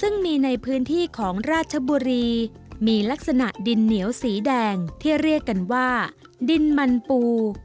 ซึ่งมีในพื้นที่ของราชบุรีมีลักษณะดินเหนียวสีแดงที่เรียกกันว่าดินมันปู